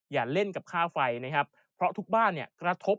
อย่าเล่นกับค่าไฟนะครับเพราะทุกบ้านเนี่ยกระทบ